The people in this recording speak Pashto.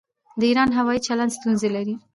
د ایران هوايي چلند ستونزې لري.